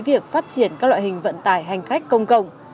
đối với việc phát triển các loại hình vận tả hành khách công cộng